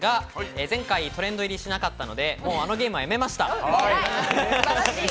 前回、トレンド入りしなかったので、あのゲームはやめました。